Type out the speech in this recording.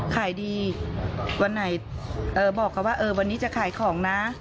ขายดีวันไหนบอกเขาว่าวันนี้จะขายของนะ